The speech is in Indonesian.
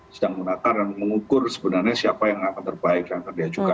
sedang menatar dan mengukur sebenarnya siapa yang akan terbaik dan terdia juga